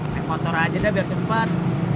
naik motor aja deh biar cepat